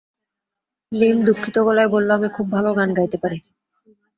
লীম দুঃখিত গলায় বলল, আমি খুব ভালো গাইতে পারি।